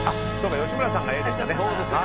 吉村さんがＡでしたね。